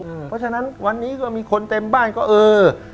เพราะฉะนั้นวันนี้ก็มีคนเต็มบ้านก็เออ